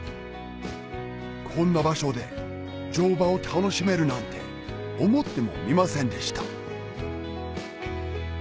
こんな場所で乗馬を楽しめるなんて思ってもみませんでした